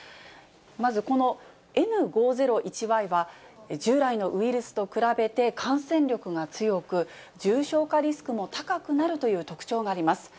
まず、このＮ５０１Ｙは、従来のウイルスと比べて、感染力が強く、重症化リスクも高くなるという特徴があります。